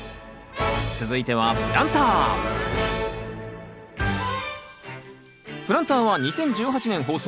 続いてはプランター「プランター」は２０１８年放送。